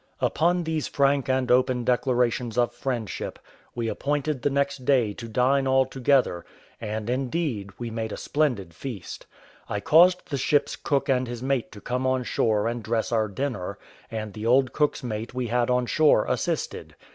Upon these frank and open declarations of friendship, we appointed the next day to dine all together; and, indeed, we made a splendid feast. I caused the ship's cook and his mate to come on shore and dress our dinner, and the old cook's mate we had on shore assisted.